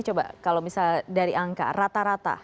coba kalau misalnya dari angka rata rata